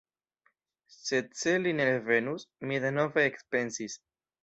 Sed se li ne revenus? Mi denove ekpensis.